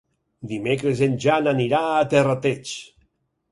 Dimecres en Jan anirà a Terrateig.